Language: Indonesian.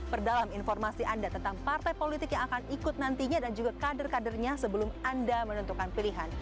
perdalam informasi anda tentang partai politik yang akan ikut nantinya dan juga kader kadernya sebelum anda menentukan pilihan